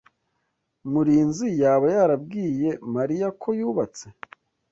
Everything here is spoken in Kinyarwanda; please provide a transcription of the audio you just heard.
Murinzi yaba yarabwiye Mariya ko yubatse?